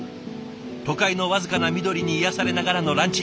都会の僅かな緑に癒やされながらのランチ。